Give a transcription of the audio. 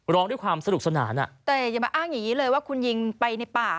ร้องด้วยความสนุกสนานแต่อย่ามาอ้างอย่างนี้เลยว่าคุณยิงไปในป่า